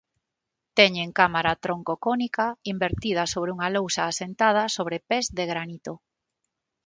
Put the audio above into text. Teñen cámara troncocónica invertida sobre unha lousa asentada sobre pés de granito.